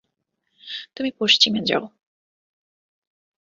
তুমি পশ্চিমে যাও।